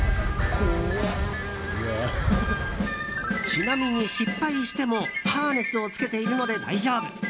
ちなみに、失敗してもハーネスをつけているので大丈夫。